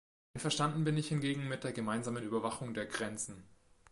Einverstanden bin ich hingegen mit der gemeinsamen Überwachung der Grenzen.